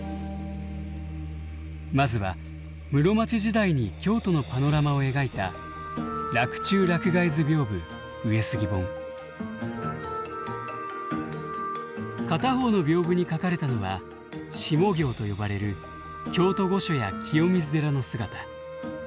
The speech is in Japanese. まずは室町時代に京都のパノラマを描いた片方の屏風に描かれたのは下京と呼ばれる京都御所や清水寺の姿。